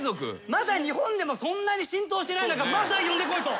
まだ日本でもそんなに浸透してない中マサイ呼んでこいと。